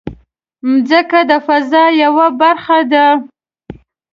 مځکه د فضا یوه برخه ده.